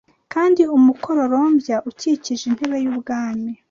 Kandi umukororombya ukikije intebe y’ubwami